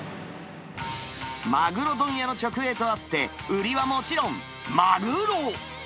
マグロ問屋の直営とあって、売りはもちろんマグロ。